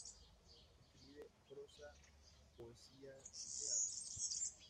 Escribe prosa, poesía y teatro.